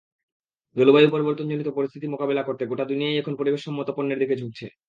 জলবায়ু পরিবর্তনজনিত পরিস্থিতি মোকাবিলা করতে গোটা দুনিয়াই এখন পরিবেশসম্মত পণ্যের দিকে ঝুঁকছে।